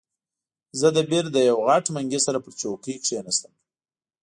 زه د بیر له یوه غټ منګي سره پر چوکۍ کښېناستم.